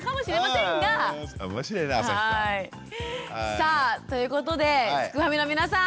さあということですくファミの皆さん